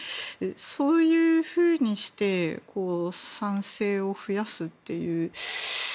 そういうふうにして賛成を増やすという。